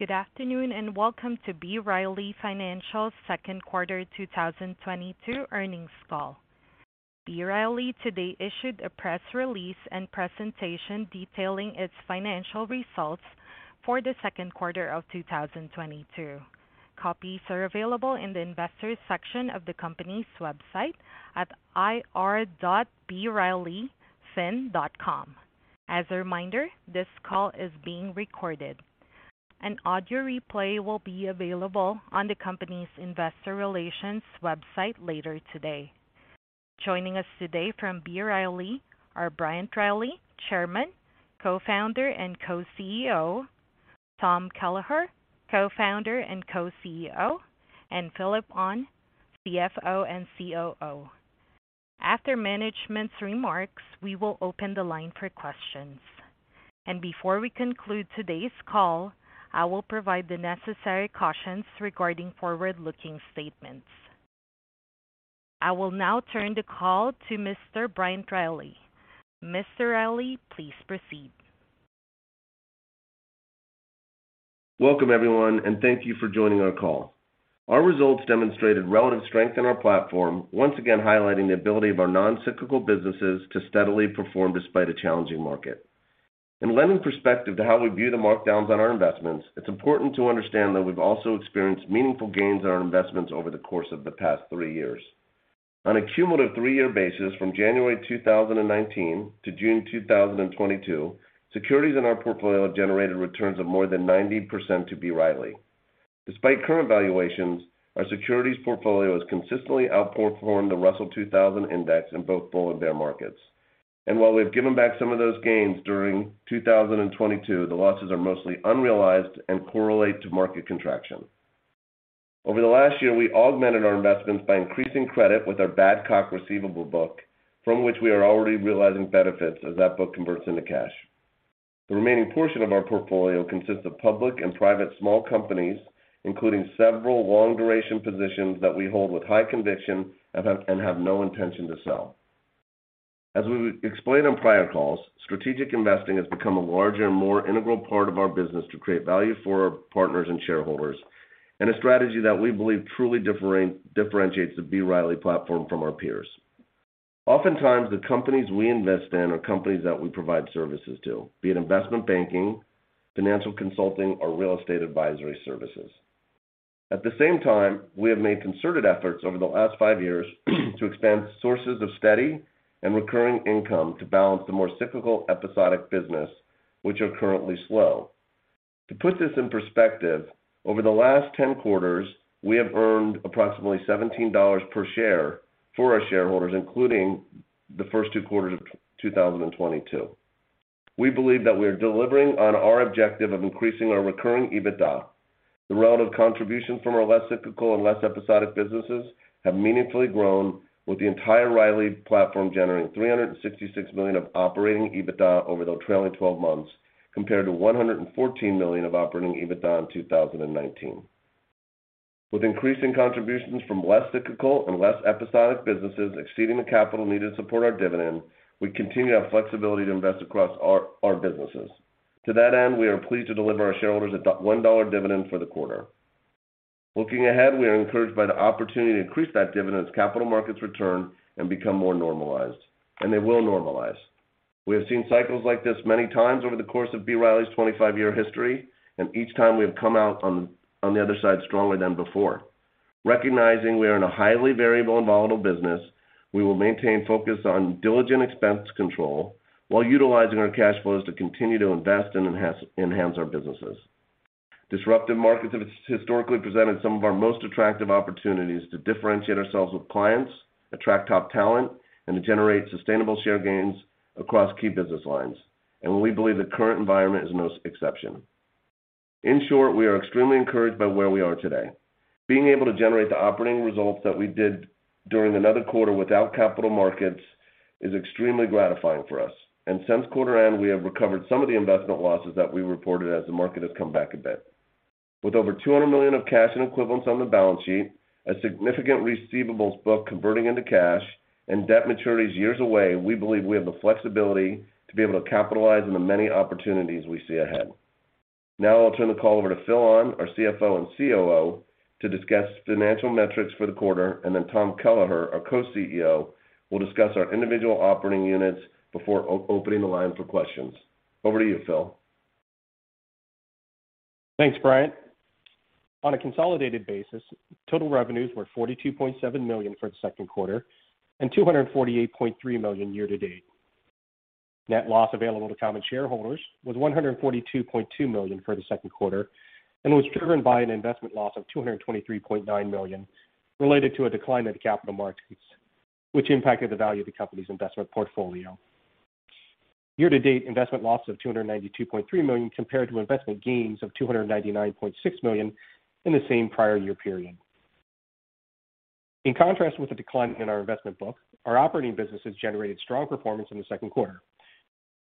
Good afternoon, and welcome to B. Riley Financial's second quarter 2022 earnings call. B. Riley today issued a press release and presentation detailing its financial results for the second quarter of 2022. Copies are available in the Investors section of the company's website at ir.brileyfin.com. As a reminder, this call is being recorded. An audio replay will be available on the company's investor relations website later today. Joining us today from B. Riley are Bryant Riley, Chairman, Co-founder, and Co-CEO, Tom Kelleher, Co-founder and Co-CEO, and Phillip Ahn, CFO and COO. After management's remarks, we will open the line for questions. Before we conclude today's call, I will provide the necessary cautions regarding forward-looking statements. I will now turn the call to Mr. Bryant Riley. Mr. Riley, please proceed. Welcome, everyone, and thank you for joining our call. Our results demonstrated relative strength in our platform, once again highlighting the ability of our non-cyclical businesses to steadily perform despite a challenging market. To lend perspective to how we view the markdowns on our investments, it's important to understand that we've also experienced meaningful gains on our investments over the course of the past three years. On a cumulative three-year basis from January 2019 to June 2022, securities in our portfolio generated returns of more than 90% to B. Riley. Despite current valuations, our securities portfolio has consistently outperformed the Russell 2000 index in both bull and bear markets. While we've given back some of those gains during 2022, the losses are mostly unrealized and correlate to market contraction. Over the last year, we augmented our investments by increasing credit with our Badcock receivable book, from which we are already realizing benefits as that book converts into cash. The remaining portion of our portfolio consists of public and private small companies, including several long-duration positions that we hold with high conviction and have no intention to sell. As we explained on prior calls, strategic investing has become a larger and more integral part of our business to create value for our partners and shareholders, and a strategy that we believe truly differentiates the B. Riley platform from our peers. Oftentimes, the companies we invest in are companies that we provide services to, be it investment banking, financial consulting, or real estate advisory services. At the same time, we have made concerted efforts over the last five years to expand sources of steady and recurring income to balance the more cyclical episodic business, which are currently slow. To put this in perspective, over the last 10 quarters, we have earned approximately $17 per share for our shareholders, including the first 2 quarters of 2022. We believe that we are delivering on our objective of increasing our recurring EBITDA. The relative contribution from our less cyclical and less episodic businesses have meaningfully grown with the entire B. Riley platform generating $366 million of operating EBITDA over the trailing twelve months compared to $114 million of operating EBITDA in 2019. With increasing contributions from less cyclical and less episodic businesses exceeding the capital needed to support our dividend, we continue our flexibility to invest across our businesses. To that end, we are pleased to deliver our shareholders a $1 dividend for the quarter. Looking ahead, we are encouraged by the opportunity to increase that dividend as capital markets return and become more normalized, and they will normalize. We have seen cycles like this many times over the course of B. Riley's 25-year history, and each time we have come out on the other side stronger than before. Recognizing we are in a highly variable and volatile business, we will maintain focus on diligent expense control while utilizing our cash flows to continue to invest and enhance our businesses. Disruptive markets have historically presented some of our most attractive opportunities to differentiate ourselves with clients, attract top talent, and to generate sustainable share gains across key business lines. We believe the current environment is no exception. In short, we are extremely encouraged by where we are today. Being able to generate the operating results that we did during another quarter without capital markets is extremely gratifying for us. Since quarter end, we have recovered some of the investment losses that we reported as the market has come back a bit. With over $200 million of cash and equivalents on the balance sheet, a significant receivables book converting into cash and debt maturities years away, we believe we have the flexibility to be able to capitalize on the many opportunities we see ahead. Now I'll turn the call over to Phillip Ahn, our CFO and COO, to discuss financial metrics for the quarter, and then Tom Kelleher, our Co-CEO, will discuss our individual operating units before opening the line for questions. Over to you, Phil. Thanks, Bryant. On a consolidated basis, total revenues were $42.7 million for the second quarter and $248.3 million year to date. Net loss available to common shareholders was $142.2 million for the second quarter and was driven by an investment loss of $223.9 million related to a decline in the capital markets, which impacted the value of the company's investment portfolio. Year to date investment loss of $292.3 million compared to investment gains of $299.6 million in the same prior year period. In contrast with the decline in our investment book, our operating businesses generated strong performance in the second quarter.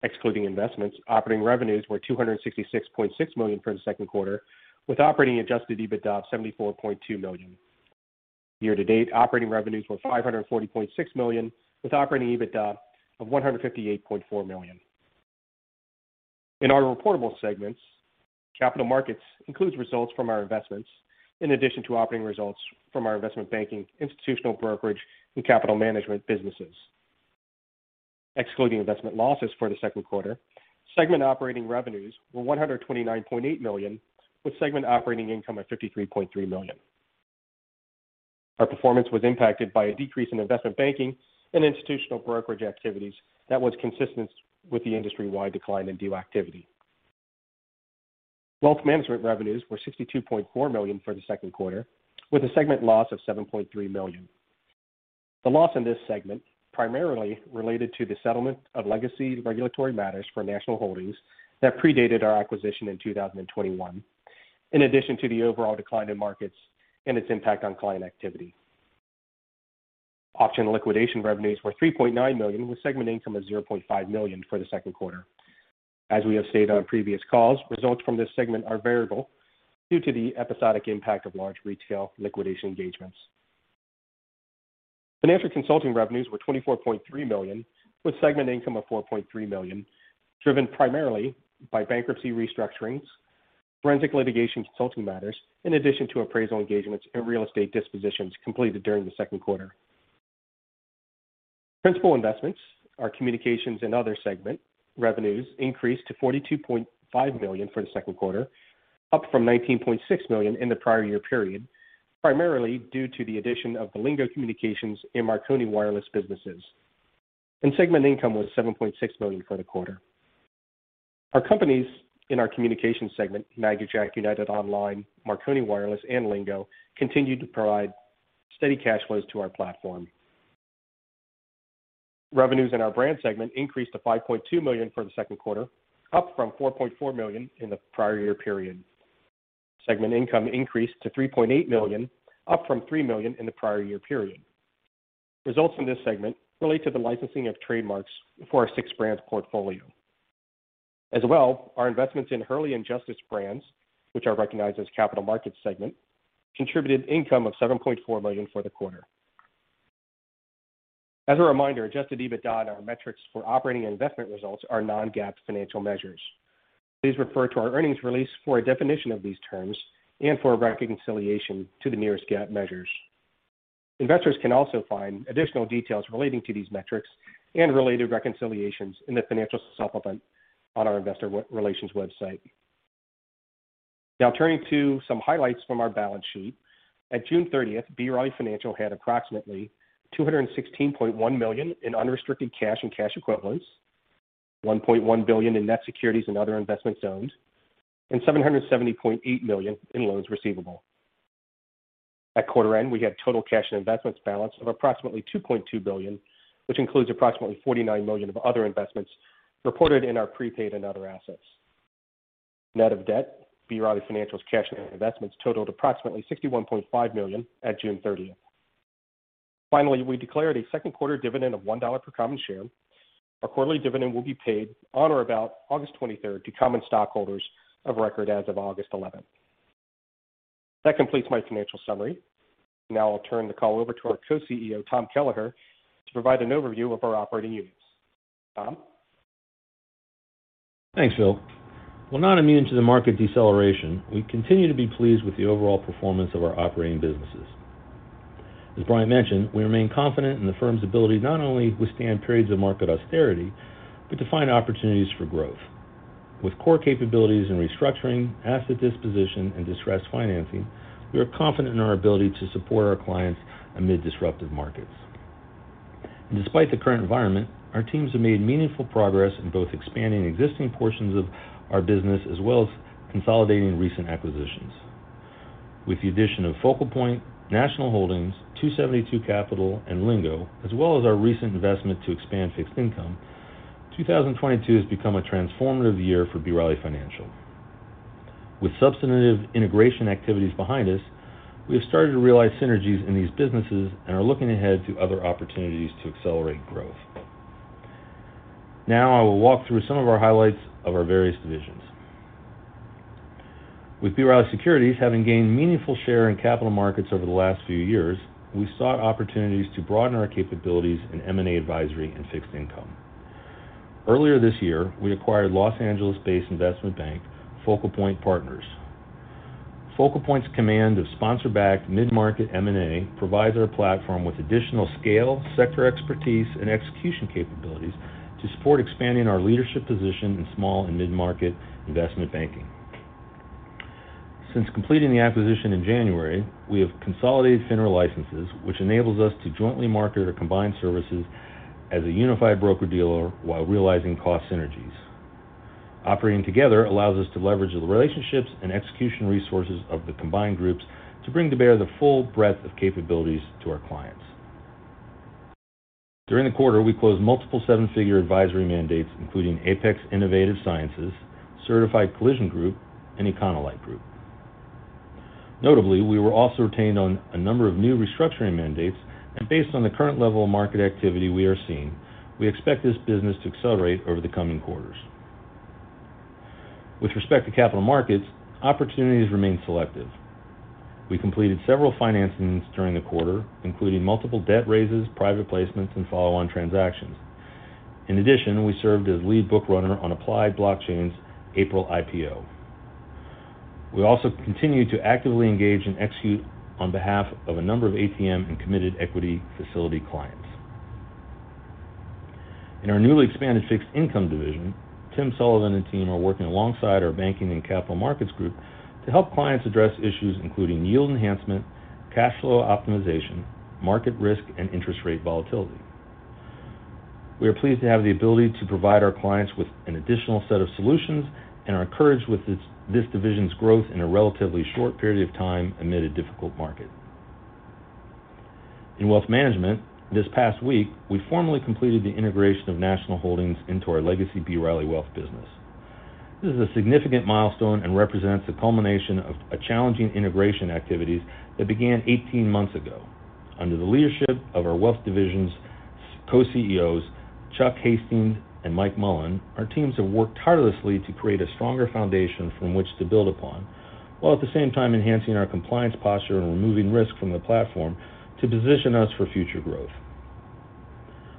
Excluding investments, operating revenues were $266.6 million for the second quarter, with operating adjusted EBITDA of $74.2 million. Year-to-date operating revenues were $540.6 million, with operating EBITDA of $158.4 million. In our reportable segments, capital markets includes results from our investments in addition to operating results from our investment banking, institutional brokerage, and capital management businesses. Excluding investment losses for the second quarter, segment operating revenues were $129.8 million, with segment operating income of $53.3 million. Our performance was impacted by a decrease in investment banking and institutional brokerage activities that was consistent with the industry-wide decline in deal activity. Wealth management revenues were $62.4 million for the second quarter, with a segment loss of $7.3 million. The loss in this segment primarily related to the settlement of legacy regulatory matters for National Holdings that predated our acquisition in 2021, in addition to the overall decline in markets and its impact on client activity. Auction liquidation revenues were $3.9 million, with segment income of $0.5 million for the second quarter. As we have stated on previous calls, results from this segment are variable due to the episodic impact of large retail liquidation engagements. Financial consulting revenues were $24.3 million, with segment income of $4.3 million, driven primarily by bankruptcy restructurings, forensic litigation consulting matters, in addition to appraisal engagements and real estate dispositions completed during the second quarter. Principal investments, our communications and other segment revenues increased to $42.5 million for the second quarter, up from $19.6 million in the prior year period, primarily due to the addition of the Lingo Communications and Marconi Wireless businesses. Segment income was $7.6 million for the quarter. Our companies in our communication segment, MagicJack, United Online, Marconi Wireless and Lingo, continued to provide steady cash flows to our platform. Revenues in our brand segment increased to $5.2 million for the second quarter, up from $4.4 million in the prior year period. Segment income increased to $3.8 million, up from $3 million in the prior year period. Results in this segment relate to the licensing of trademarks for our six brands portfolio. As well, our investments in Hurley and Justice brands, which are recognized as capital markets segment, contributed income of $7.4 million for the quarter. As a reminder, adjusted EBITDA, our metrics for operating investment results are non-GAAP financial measures. Please refer to our earnings release for a definition of these terms and for a reconciliation to the nearest GAAP measures. Investors can also find additional details relating to these metrics and related reconciliations in the financial supplement on our investor relations website. Now turning to some highlights from our balance sheet. At June 30, B. Riley Financial had approximately $216.1 million in unrestricted cash and cash equivalents, $1.1 billion in net securities and other investments owned, and $770.8 million in loans receivable. At quarter end, we had total cash and investments balance of approximately $2.2 billion, which includes approximately $49 million of other investments reported in our prepaid and other assets. Net of debt, B. Riley Financial's cash and investments totaled approximately $61.5 million at June thirtieth. Finally, we declared a second quarter dividend of $1 per common share. Our quarterly dividend will be paid on or about August twenty-third to common stockholders of record as of August eleventh. That completes my financial summary. Now I'll turn the call over to our Co-CEO, Tom Kelleher, to provide an overview of our operating units. Tom? Thanks, Phil. While not immune to the market deceleration, we continue to be pleased with the overall performance of our operating businesses. As Bryant mentioned, we remain confident in the firm's ability not only to withstand periods of market austerity, but to find opportunities for growth. With core capabilities in restructuring, asset disposition, and distressed financing, we are confident in our ability to support our clients amid disruptive markets. Despite the current environment, our teams have made meaningful progress in both expanding existing portions of our business as well as consolidating recent acquisitions. With the addition of FocalPoint, National Holdings, 272 Capital, and Lingo, as well as our recent investment to expand fixed income, 2022 has become a transformative year for B. Riley Financial. With substantive integration activities behind us, we have started to realize synergies in these businesses and are looking ahead to other opportunities to accelerate growth. Now I will walk through some of our highlights of our various divisions. With B. Riley Securities having gained meaningful share in capital markets over the last few years, we sought opportunities to broaden our capabilities in M&A advisory and fixed income. Earlier this year, we acquired Los Angeles-based investment bank FocalPoint Partners. FocalPoint's command of sponsor-backed mid-market M&A provides our platform with additional scale, sector expertise, and execution capabilities to support expanding our leadership position in small and mid-market investment banking. Since completing the acquisition in January, we have consolidated FINRA licenses, which enables us to jointly market our combined services as a unified broker-dealer while realizing cost synergies. Operating together allows us to leverage the relationships and execution resources of the combined groups to bring to bear the full breadth of capabilities to our clients. During the quarter, we closed multiple seven-figure advisory mandates, including Apex Innovative Sciences, Certified Collision Group, and Econolite Group. Notably, we were also retained on a number of new restructuring mandates. Based on the current level of market activity we are seeing, we expect this business to accelerate over the coming quarters. With respect to capital markets, opportunities remain selective. We completed several financings during the quarter, including multiple debt raises, private placements, and follow-on transactions. In addition, we served as lead book runner on Applied Blockchain April IPO. We also continue to actively engage and execute on behalf of a number of ATM and committed equity facility clients. In our newly expanded fixed income division, Tim Sullivan and team are working alongside our banking and capital markets group to help clients address issues including yield enhancement, cash flow optimization, market risk, and interest rate volatility. We are pleased to have the ability to provide our clients with an additional set of solutions and are encouraged with this division's growth in a relatively short period of time amid a difficult market. In wealth management this past week, we formally completed the integration of National Holdings into our legacy B. Riley Wealth business. This is a significant milestone and represents the culmination of a challenging integration activities that began 18 months ago. Under the leadership of our wealth division's co-CEOs, Chuck Hastings and Mike Mullen, our teams have worked tirelessly to create a stronger foundation from which to build upon, while at the same time enhancing our compliance posture and removing risk from the platform to position us for future growth.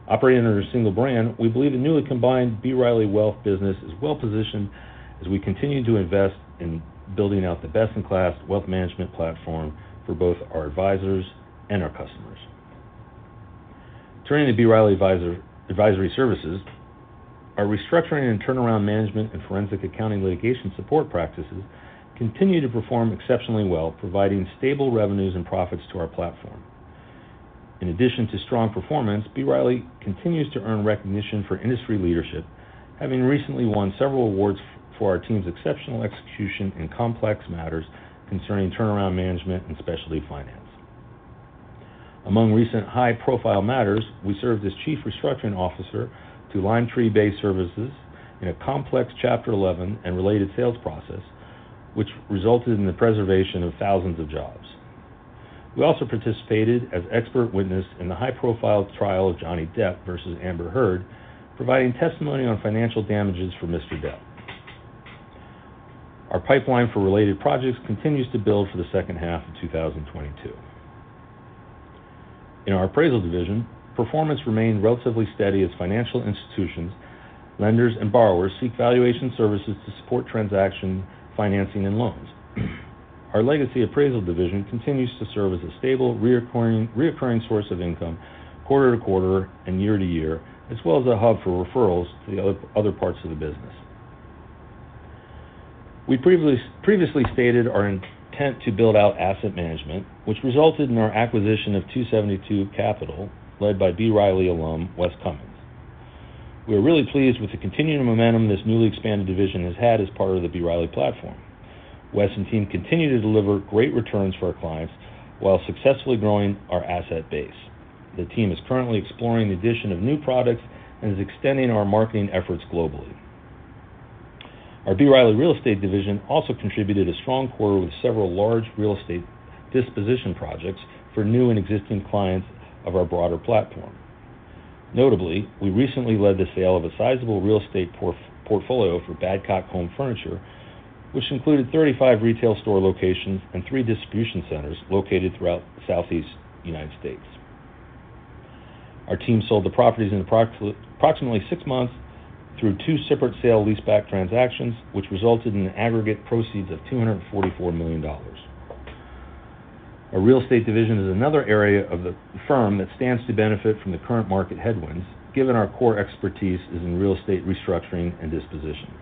Operating under a single brand, we believe the newly combined B. Riley wealth business is well-positioned as we continue to invest in building out the best-in-class wealth management platform for both our advisors and our customers. Turning to B. Riley Advisory Services, our restructuring and turnaround management and forensic accounting litigation support practices continue to perform exceptionally well, providing stable revenues and profits to our platform. In addition to strong performance, B. Riley continues to earn recognition for industry leadership, having recently won several awards for our team's exceptional execution in complex matters concerning turnaround management and specialty finance. Among recent high-profile matters, we served as chief restructuring officer to Limetree Bay Services in a complex Chapter 11 and related sales process which resulted in the preservation of thousands of jobs. We also participated as expert witness in the high-profile trial of Johnny Depp versus Amber Heard, providing testimony on financial damages for Mr. Depp. Our pipeline for related projects continues to build for the second half of 2022. In our appraisal division, performance remained relatively steady as financial institutions, lenders, and borrowers seek valuation services to support transaction financing and loans. Our legacy appraisal division continues to serve as a stable recurring source of income quarter to quarter and year to year, as well as a hub for referrals to the other parts of the business. We previously stated our intent to build out asset management, which resulted in our acquisition of 272 Capital, led by B. Riley alum Wes Cummins. We are really pleased with the continuing momentum this newly expanded division has had as part of the B. Riley platform. Wes and team continue to deliver great returns for our clients while successfully growing our asset base. The team is currently exploring the addition of new products and is extending our marketing efforts globally. Our B. Riley Real Estate division also contributed a strong quarter with several large real estate disposition projects for new and existing clients of our broader platform. Notably, we recently led the sale of a sizable real estate portfolio for Badcock Home Furniture, which included 35 retail store locations and three distribution centers located throughout the southeastern United States. Our team sold the properties in approximately six months through two separate sale leaseback transactions, which resulted in aggregate proceeds of $244 million. Our real estate division is another area of the firm that stands to benefit from the current market headwinds, given our core expertise is in real estate restructuring and disposition.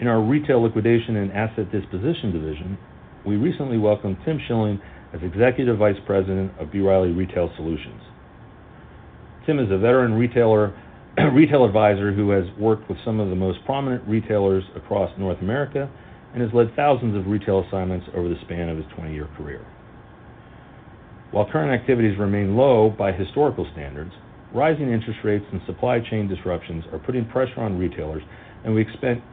In our retail liquidation and asset disposition division, we recently welcomed Tim Shilling as Executive Vice President of B. Riley Retail Solutions. Tim is a veteran retail advisor who has worked with some of the most prominent retailers across North America and has led thousands of retail assignments over the span of his 20-year career. While current activities remain low by historical standards, rising interest rates and supply chain disruptions are putting pressure on retailers, and we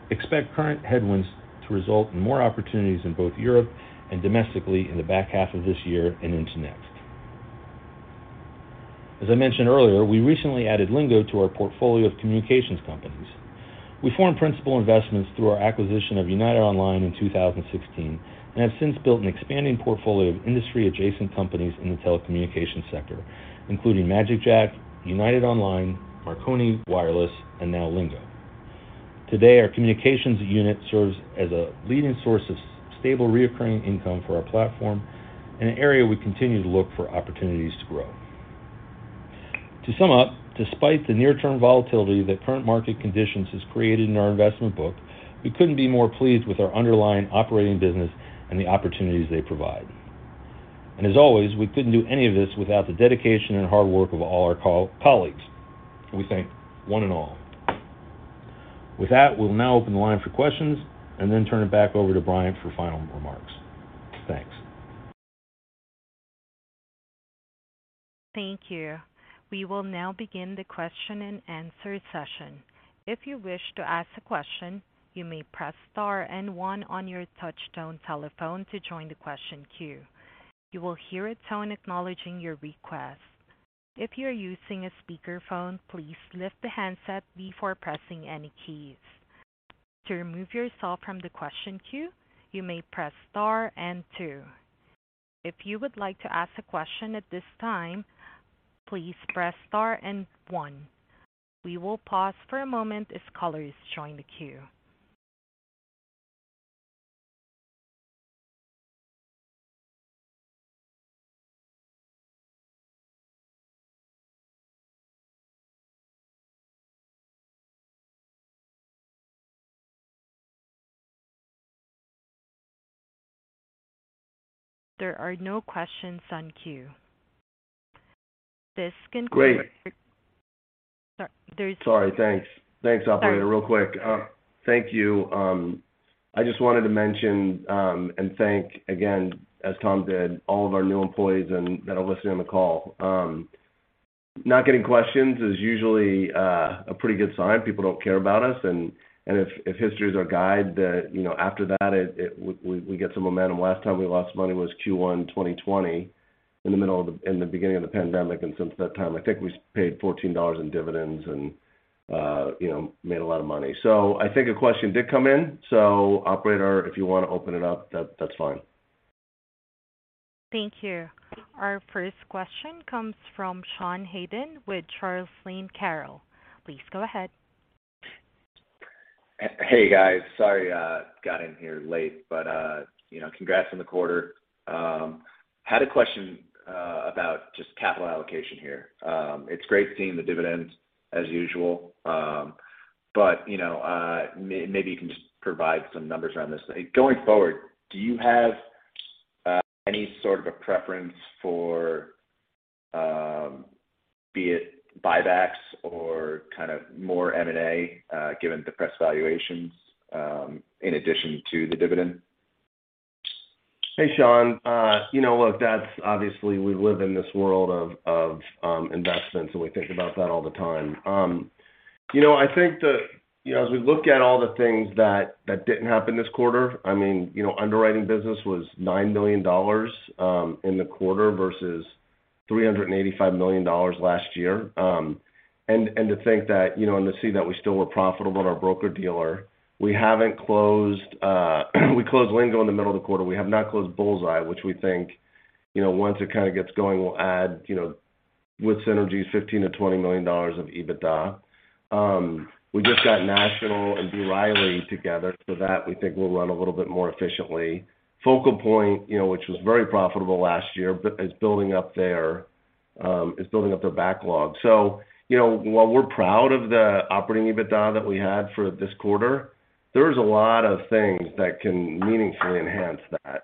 expect current headwinds to result in more opportunities in both Europe and domestically in the back half of this year and into next. As I mentioned earlier, we recently added Lingo to our portfolio of communications companies. We formed principal investments through our acquisition of United Online in 2016, and have since built an expanding portfolio of industry-adjacent companies in the telecommunications sector, including MagicJack, United Online, Marconi Wireless and now Lingo. Today, our communications unit serves as a leading source of stable, recurring income for our platform and an area we continue to look for opportunities to grow. To sum up, despite the near-term volatility that current market conditions has created in our investment book, we couldn't be more pleased with our underlying operating business and the opportunities they provide. As always, we couldn't do any of this without the dedication and hard work of all our colleagues. We thank one and all. With that, we'll now open the line for questions and then turn it back over to Brian for final remarks. Thanks. Thank you. We will now begin the question and answer session. If you wish to ask a question, you may press star and one on your touchtone telephone to join the question queue. You will hear a tone acknowledging your request. If you're using a speakerphone, please lift the handset before pressing any keys. To remove yourself from the question queue, you may press star and two. If you would like to ask a question at this time, please press star and one. We will pause for a moment as callers join the queue. There are no questions on queue. This concludes. Great. Sorry. Sorry. Thanks. Thanks, operator. Real quick. Thank you. I just wanted to mention, and thank again, as Tom did, all of our new employees and that are listening on the call. Not getting questions is usually a pretty good sign. People don't care about us and if history is our guide that, you know, after that we get some momentum. Last time we lost money was Q1 2020 in the beginning of the pandemic, and since that time, I think we paid $14 in dividends and, you know, made a lot of money. I think a question did come in, so operator, if you want to open it up, that's fine. Thank you. Our first question comes from Sean Haydon with Charles Lane Capital. Please go ahead. Hey, guys. Sorry I got in here late, but you know, congrats on the quarter. Had a question about just capital allocation here. It's great seeing the dividend as usual, but you know, maybe you can just provide some numbers around this. Going forward, do you have any sort of a preference for be it buybacks or kind of more M&A, given the depressed valuations, in addition to the dividend? Hey, Sean. You know, look, that's obviously we live in this world of investments, and we think about that all the time. You know, I think as we look at all the things that didn't happen this quarter, I mean, you know, underwriting business was $9 million in the quarter versus $385 million last year. To think that, you know, and to see that we still were profitable in our broker-dealer, we closed Lingo in the middle of the quarter. We have not closed Targus, which we think, you know, once it kind of gets going, we'll add, you know, with synergies, $15-$20 million of EBITDA. We just got National and B. Riley together. That we think will run a little bit more efficiently. FocalPoint, you know, which was very profitable last year, is building up their backlog. You know, while we're proud of the operating EBITDA that we had for this quarter, there's a lot of things that can meaningfully enhance that.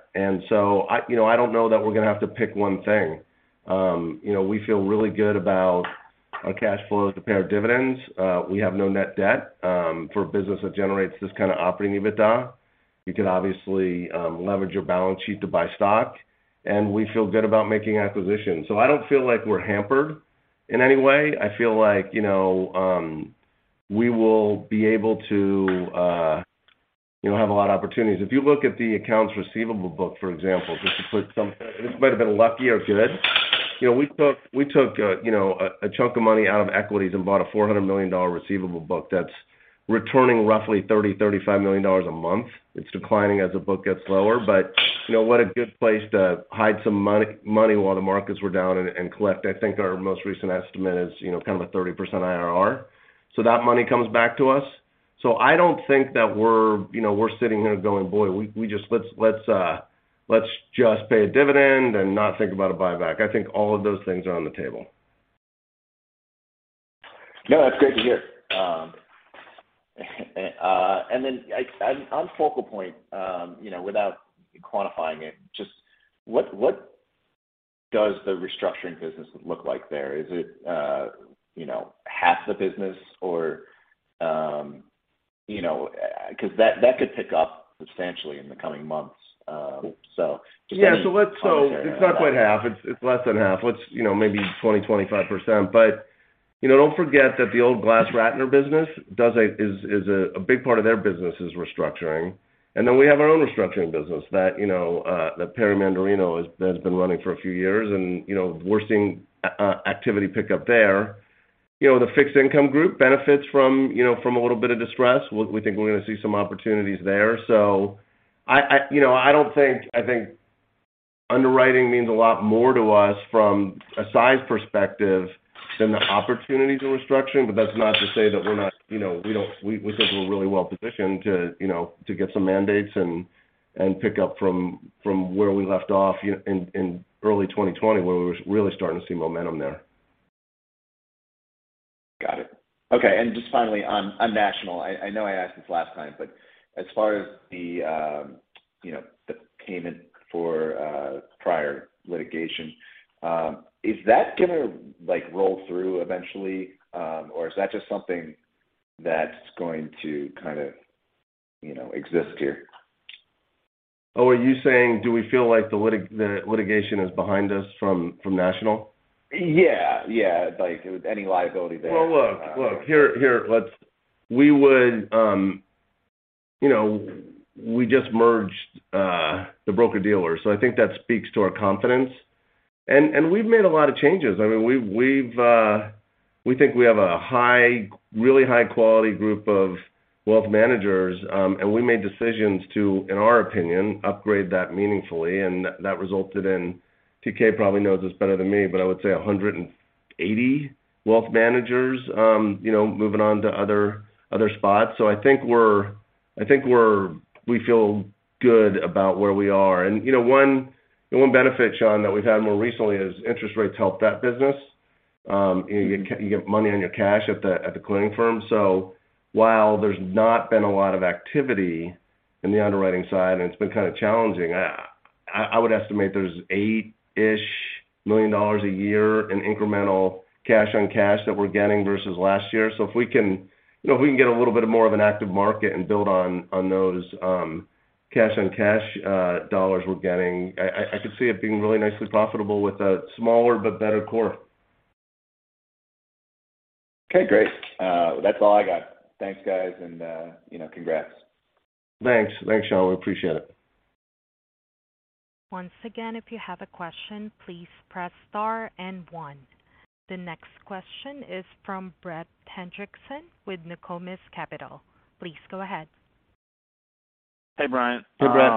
You know, I don't know that we're going to have to pick one thing. You know, we feel really good about our cash flows to pay our dividends. We have no net debt, for a business that generates this kind of operating EBITDA. You can obviously leverage your balance sheet to buy stock, and we feel good about making acquisitions. I don't feel like we're hampered in any way. I feel like, you know, we will be able to have a lot of opportunities. If you look at the accounts receivable book, for example, just to put some. This might have been lucky or good. You know, we took you know, a chunk of money out of equities and bought a $400 million receivable book that's returning roughly $30-$35 million a month. It's declining as the book gets lower, but you know, what a good place to hide some money while the markets were down and collect. I think our most recent estimate is you know, kind of a 30% IRR. That money comes back to us. I don't think that we're you know, we're sitting here going, "Boy, we just let's just pay a dividend and not think about a buyback." I think all of those things are on the table. No, that's great to hear. On FocalPoint, you know, without quantifying it, just what does the restructuring business look like there? Is it, you know, half the business or, you know, 'cause that could pick up substantially in the coming months. Just any color there on that. It's not quite half. It's less than half. You know, maybe 20-25%. You know, don't forget that the old GlassRatner business is a big part of their business is restructuring. Then we have our own restructuring business that, you know, that Perry Mandarino has been running for a few years and, you know, we're seeing activity pick up there. You know, the fixed income group benefits from, you know, from a little bit of distress. We think we're going to see some opportunities there. I think underwriting means a lot more to us from a size perspective than the opportunity to restructure. That's not to say that we're not, you know, we think we're really well-positioned to, you know, to get some mandates and pick up from where we left off in early 2020, where we were really starting to see momentum there. Got it. Okay. Just finally on National. I know I asked this last time, but as far as, you know, the payment for prior litigation, is that going to like roll through eventually? Or is that just something that's going to kind of, you know, exist here? Oh, are you saying, do we feel like the litigation is behind us from National? Yeah. Like if any liability there. Well, look here, let's. You know, we just merged the broker-dealer, so I think that speaks to our confidence. We've made a lot of changes. I mean, we think we have a really high quality group of wealth managers, and we made decisions to, in our opinion, upgrade that meaningfully and that resulted in, TK probably knows this better than me, but I would say 180 wealth managers, you know, moving on to other spots. So I think we feel good about where we are. You know, the one benefit, Sean, that we've had more recently is interest rates help that business. You get money on your cash at the clearing firm. While there's not been a lot of activity in the underwriting side, and it's been kind of challenging, I would estimate there's $8-ish million a year in incremental cash on cash that we're getting versus last year. If we can, you know, if we can get a little bit more of an active market and build on those cash on cash dollars we're getting, I could see it being really nicely profitable with a smaller but better core. Okay, great. That's all I got. Thanks, guys, and you know, congrats. Thanks. Thanks, Sean. We appreciate it. Once again, if you have a question, please press star and one. The next question is from Brett Hendrickson with Nokomis Capital. Please go ahead. Hey, Bryant. Hey, Brett.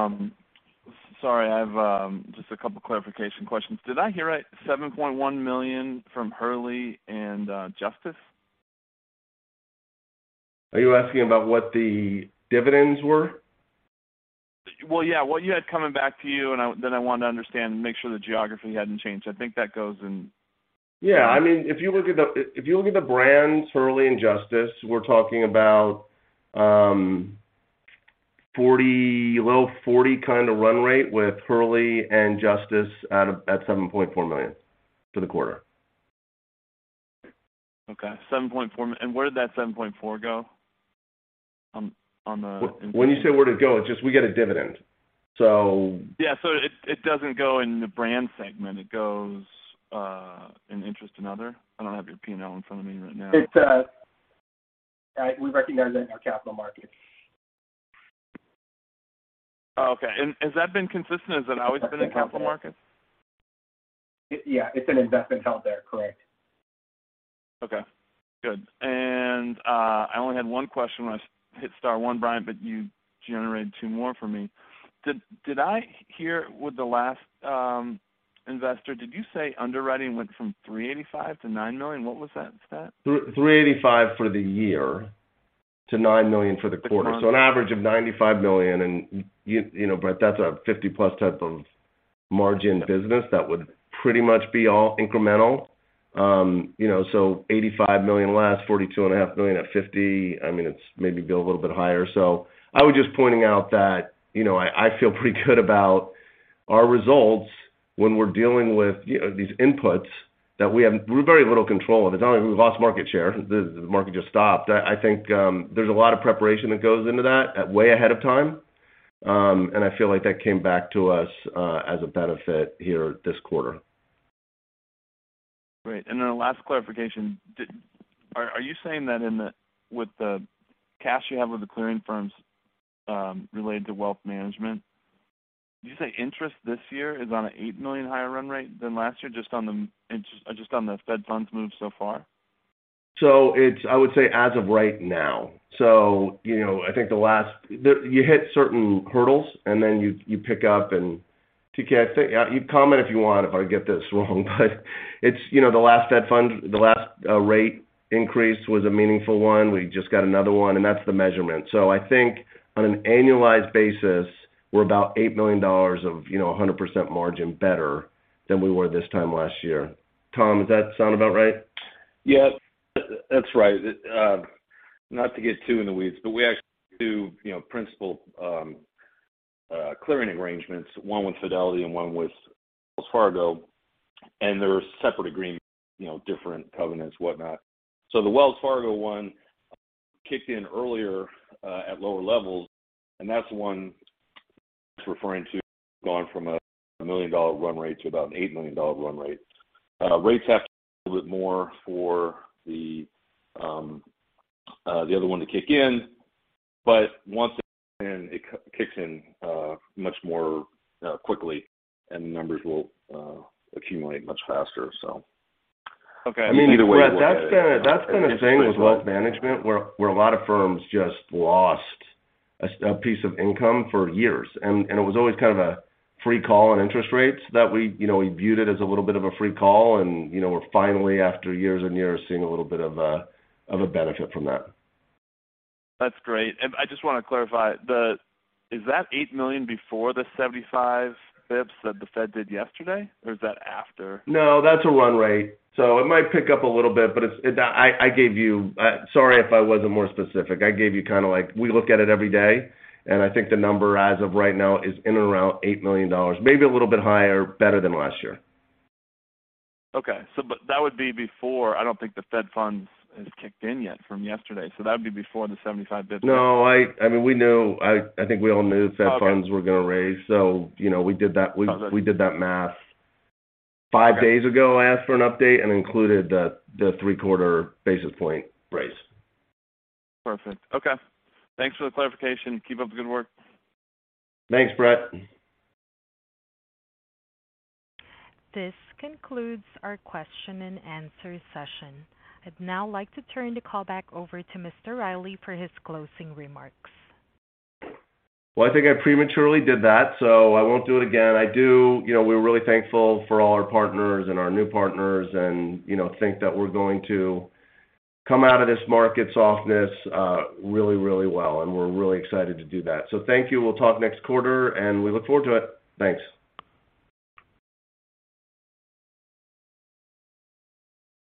Sorry, I've just a couple clarification questions. Did I hear right, $7.1 million from Hurley and Justice? Are you asking about what the dividends were? Well, yeah. What you had coming back to you and I. I wanted to understand and make sure the geography hadn't changed. I think that goes in. Yeah. I mean, if you look at the brands Hurley and Justice, we're talking about low 40 kind of run rate with Hurley and Justice at $7.4 million for the quarter. Okay. Where did that $7.4 go on the- When you say where'd it go, it's just we get a dividend. It doesn't go in the brand segment. It goes in interest and other. I don't have your P&L in front of me right now. It's. We recognize it in our capital markets. Oh, okay. Has that been consistent? Has that always been in capital markets? Yeah. It's an investment held there, correct? Okay. Good. I only had one question when I hit star one, Bryant, but you generated two more for me. Did I hear with the last investor, did you say underwriting went from $385 to $9 million? What was that stat? $385 for the year to $9 million for the quarter. An average of $95 million, and you know, Brett, that's a 50+% margin business that would pretty much be all incremental. You know, $85 million last, $42.5 million at 50%. I mean, it's maybe go a little bit higher. I was just pointing out that, you know, I feel pretty good about our results when we're dealing with, you know, these inputs that we have very little control over. It's not like we've lost market share. The market just stopped. I think there's a lot of preparation that goes into that way ahead of time, and I feel like that came back to us as a benefit here this quarter. Great. Last clarification. Are you saying that with the cash you have with the clearing firms, related to wealth management, did you say interest this year is on an $8 million higher run rate than last year just on the Fed funds move so far? It's, I would say as of right now. You know, I think the last. You hit certain hurdles and then you pick up. TK, I think, you comment if you want, if I get this wrong. It's, you know, the last fed funds rate increase was a meaningful one. We just got another one, and that's the measurement. I think on an annualized basis, we're about $8 million of, you know, 100% margin better than we were this time last year. Tom, does that sound about right? Yeah. That's right. Not to get too in the weeds, but we actually do, you know, principal clearing arrangements, one with Fidelity and one with Wells Fargo, and they're separate agreements, you know, different covenants, whatnot. The Wells Fargo one kicked in earlier, at lower levels, and that's the one Brett's referring to, gone from a $1 million run rate to about an $8 million run rate. Rates have to be a bit more for the other one to kick in, but once it's in, it kicks in much more quickly and the numbers will accumulate much faster. Okay. I mean, either way, that's been a thing with wealth management where a lot of firms just lost a piece of income for years. It was always kind of a free call on interest rates that we, you know, we viewed it as a little bit of a free call and, you know, we're finally after years and years seeing a little bit of a benefit from that. That's great. I just want to clarify. Is that $8 million before the 75 basis points that the Fed did yesterday, or is that after? No, that's a run rate. It might pick up a little bit, but it's, sorry if I wasn't more specific. I gave you kind of like we look at it every day, and I think the number as of right now is around $8 million, maybe a little bit higher, better than last year. Okay. That would be before. I don't think the Fed funds has kicked in yet from yesterday. That would be before the 75 bps week. No, I mean, we knew. I think we all knew Fed funds were going to raise. You know, we did that, we did that math. Five days ago I asked for an update and included the three-quarter basis point raise. Perfect. Okay. Thanks for the clarification. Keep up the good work. Thanks, Brett. This concludes our question and answer session. I'd now like to turn the call back over to Mr. Riley for his closing remarks. Well, I think I prematurely did that, so I won't do it again. I do. You know, we're really thankful for all our partners and our new partners and, you know, think that we're going to come out of this market softness, really, really well, and we're really excited to do that. Thank you. We'll talk next quarter, and we look forward to it. Thanks.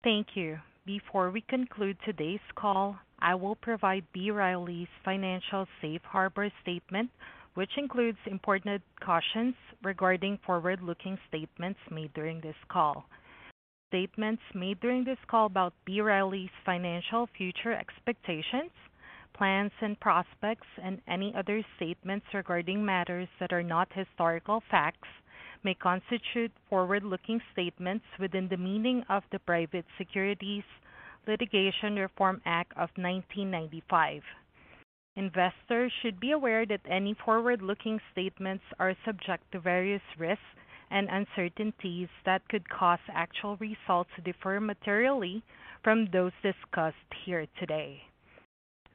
Thank you. Before we conclude today's call, I will provide B. Riley Financial's Safe Harbor statement, which includes important cautions regarding forward-looking statements made during this call. Statements made during this call about B. Riley Financial's future expectations, plans and prospects, and any other statements regarding matters that are not historical facts may constitute forward-looking statements within the meaning of the Private Securities Litigation Reform Act of 1995. Investors should be aware that any forward-looking statements are subject to various risks and uncertainties that could cause actual results to differ materially from those discussed here today.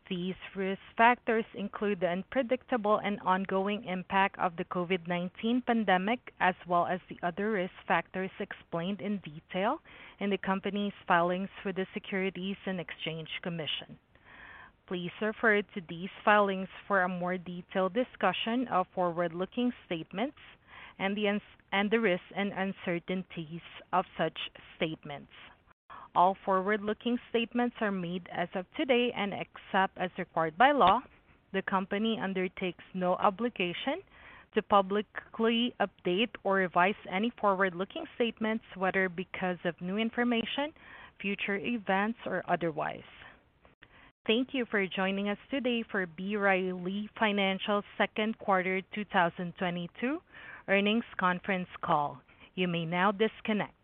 These risk factors include the unpredictable and ongoing impact of the COVID-19 pandemic as well as the other risk factors explained in detail in the company's filings with the Securities and Exchange Commission. Please refer to these filings for a more detailed discussion of forward-looking statements and the risks and uncertainties of such statements. All forward-looking statements are made as of today, and except as required by law, the company undertakes no obligation to publicly update or revise any forward-looking statements, whether because of new information, future events or otherwise. Thank you for joining us today for B. Riley Financial's second quarter 2022 earnings conference call. You may now disconnect.